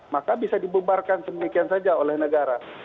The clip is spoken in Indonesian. maka bisa dibubarkan semikian saja oleh negara